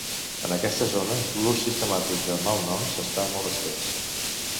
En aquestes zones l'ús sistemàtic de malnoms està molt estès.